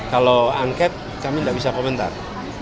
kalau haket kami gak bisa komentar